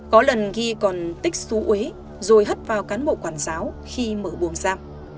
có lần ghi còn tích xú ế rồi hất vào cán bộ quản giáo khi mở buồng giam